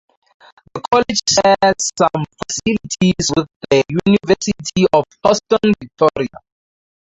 The college shares some facilities with the University of Houston-Victoria.